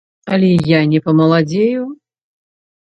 Але я не памаладзею?